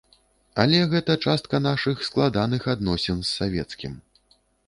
Але гэта частка нашых складаных адносін з савецкім.